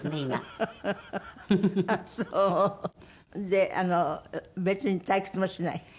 であの別に退屈もしない？